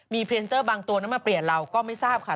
มีพรีเซนเตอร์บางตัวนั้นมาเปลี่ยนเราก็ไม่ทราบค่ะ